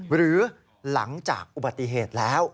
หรือหลังจากอุบัติเหตุแล้ว